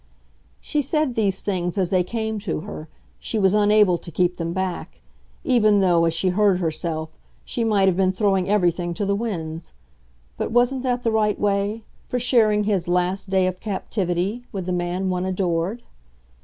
She said these things as they came to her; she was unable to keep them back, even though, as she heard herself, she might have been throwing everything to the winds. But wasn't that the right way for sharing his last day of captivity with the man one adored?